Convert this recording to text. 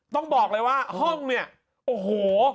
ต้องบอกเลยว่าห้องเนี่ยโอ้โห